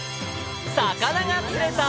魚が釣れた。